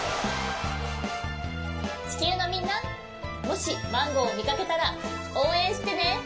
ちきゅうのみんなもしマンゴーをみかけたらおうえんしてね。